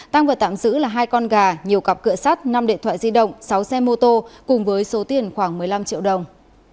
tăng vật tạm giữ là hai con gà nhiều cặp cửa sắt năm điện thoại di động sáu xe mô tô cùng với số tiền khoảng một mươi năm triệu đồng